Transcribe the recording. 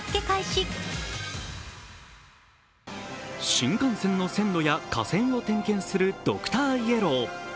新幹線の線路や架線を点検するドクターイエロー。